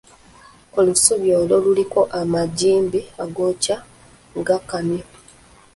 Olusubi olwo luliko amagimbi agookya nga kamyu.